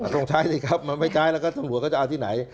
ต้องใช้สิครับมันไม่ใช้แล้วก็ตำรวจเขาจะเอาที่ไหน